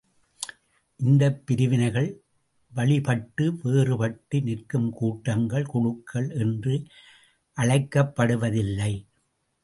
இந்தப் பிரிவினைகள் வழிப்பட்டு, வேறுபட்டு நிற்கும் கூட்டங்கள், குழுக்கள் என்று அழைக்கப்படுவதில்லை!